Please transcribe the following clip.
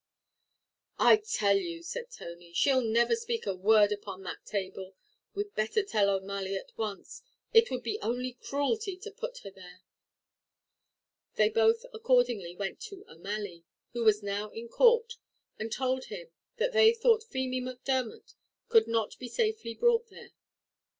"I tell you," said Tony, "she'll never speak a word upon that table; we'd better tell O'Malley at once; 't would be only cruelty to put her there." They both accordingly went to O'Malley, who was now in court, and told him that they thought Feemy Macdermot could not be safely brought there.